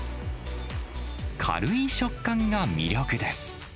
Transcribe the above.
軽い食感が魅力です。